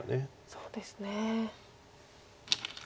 そうですね。